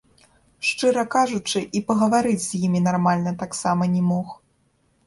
Шчыра кажучы, і пагаварыць з імі нармальна таксама не мог.